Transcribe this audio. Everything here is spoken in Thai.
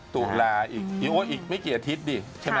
ตุลาอีกนึกว่าอีกไม่กี่อาทิตย์ดิใช่ไหม